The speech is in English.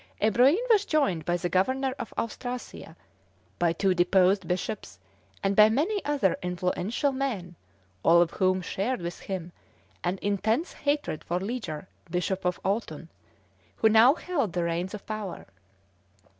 Ebroin was joined by the Governor of Austrasia, by two deposed bishops, and by many other influential men, all of whom shared with him an intense hatred of Leger, Bishop of Autun, who now held the reins of power.